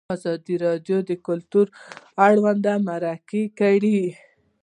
ازادي راډیو د کلتور اړوند مرکې کړي.